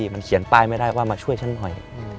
มันเขียนป้ายไม่ได้ว่ามาช่วยฉันหน่อย